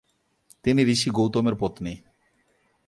তিনি ঋষি গৌতমের পত্নী।